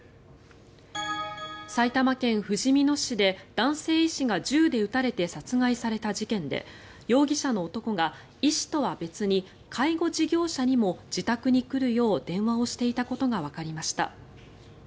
埼玉県ふじみ野市で男性医師が銃で撃たれて殺害された事件で容疑者の男が医師とは別に介護事業者にも自宅に来るよう電話をしていたことがわかりました。